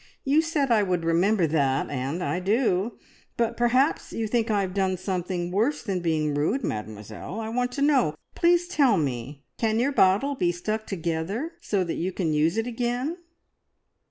You said I would remember that, and I do; but perhaps you think I have done something worse than being rude, Mademoiselle! I want to know please tell me! can your bottle be stuck together so that you can use it again?"